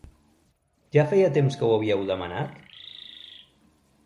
Ja feia temps que ho havíeu demanat?